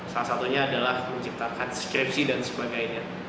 salah satunya adalah menciptakan skripsi dan sebagainya